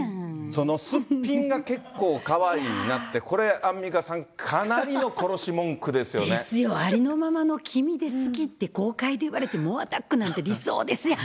その、すっぴんが結構かわいいなって、これ、アンミカさん、ですよ、ありのままの君が好きって公開で言われて、猛アタックなんて理想ですやん。